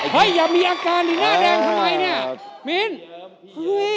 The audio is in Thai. เห้ย๑อย่ามีอาการหน้าแดงทำไมเนี่ย